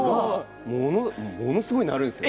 ものすごくあるんですよ。